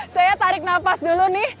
saya tarik nafas dulu nih